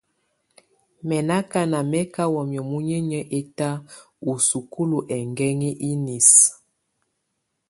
Mɛ̀ nà akana mɛ ka wamɛ̀á munyinyǝ ɛta u sukulu ɛkɛŋɛ inisǝ.